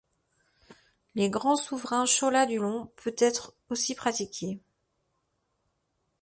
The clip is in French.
Les grands souverains Chola du l'ont peut-être aussi pratiqué.